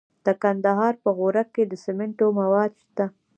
د کندهار په غورک کې د سمنټو مواد شته.